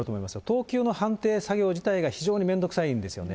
等級の判定作業自体が非常に面倒くさいんですよね。